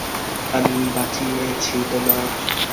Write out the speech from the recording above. আমি বাঁচিয়েছি তোমায়।